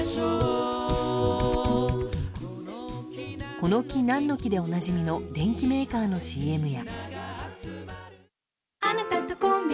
「この木なんの木」でおなじみの電機メーカーのＣＭや。